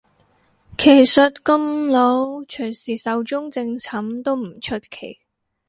其實咁老隨時壽終正寢都唔出奇